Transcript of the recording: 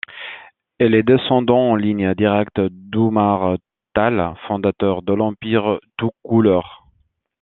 Il est descendant en ligne directe d'Oumar Tall, fondateur de l'empire toucouleur.